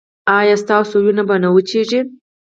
ایا ستاسو وینه به نه وچیږي؟